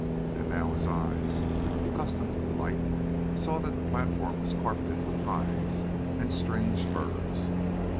And now his eyes, accustomed to the light, saw that the platform was carpeted with hides and strange furs.